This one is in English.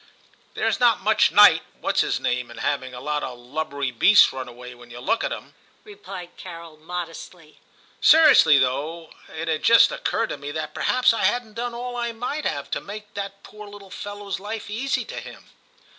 'There's not much knight what's his name in having a lot of lubberly beasts run away when you look at 'em,' replied Carol modestly. 'Seriously though, it had just occurred to me that perhaps I hadn't done all I might have to make that poor little fellow's life easy to him.'